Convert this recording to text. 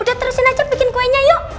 dia terusin aja bikin kuenya yuk